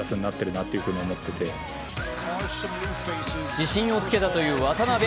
自信をつけたという渡邊。